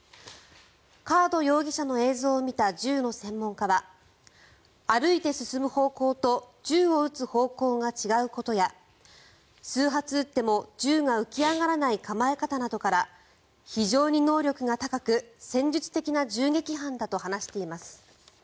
カード容疑者の映像を見た銃の専門家は歩いて進む方向と銃を撃つ方向が違うことや数発撃っても、銃が浮き上がらない構え方などから非常に能力が高く戦術的な銃撃犯だと話しています。